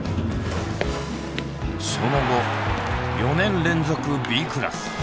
その後４年連続Ｂクラス。